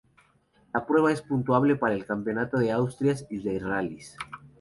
La prueba es puntuable para el Campeonato de Asturias de Rallyes.